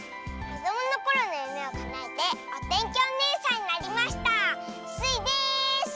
こどものころのゆめをかなえておてんきおねえさんになりましたスイです！